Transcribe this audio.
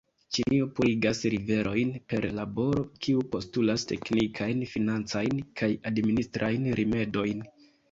Ĉinio purigas riverojn per laboro, kiu postulas teknikajn, financajn kaj administrajn rimedojn.